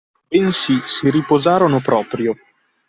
Bensì si riposarono proprio.